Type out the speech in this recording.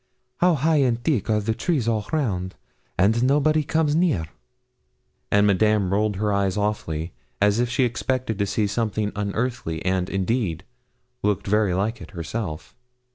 How high and thick are the trees all round! and nobody comes near.' And Madame rolled her eyes awfully, as if she expected to see something unearthly, and, indeed, looked very like it herself.